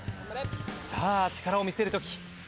さあ力を見せる時。